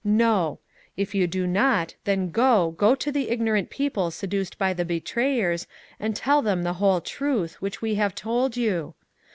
No! If you do not then go, go to the ignorant people seduced by the betrayers, and tell them the whole truth, which we have told you!